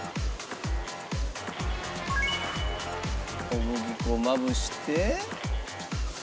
小麦粉をまぶして。